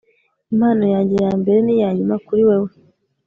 impano yanjye yambere niyanyuma, kuri wewe